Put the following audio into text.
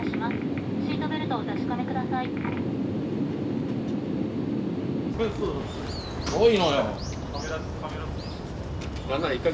シートベルトをお確かめ下さい」。